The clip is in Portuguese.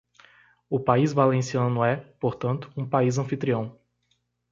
O país valenciano é, portanto, um país anfitrião.